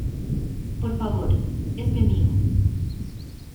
Por favor. Es mi amigo .